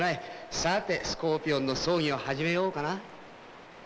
さあてスコーピオンの葬儀を始めようかな。